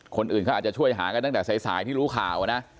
คนอื่นเขาอาจจะช่วยหากันตั้งแต่สายที่รู้ข่าวนะ